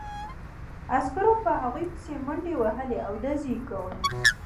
عسکرو په هغوی پسې منډې وهلې او ډزې یې کولې